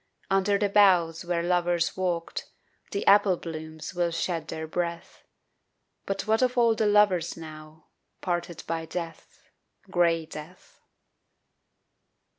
Under the boughs where lovers walked The apple blooms will shed their breath But what of all the lovers now Parted by death, Gray Death?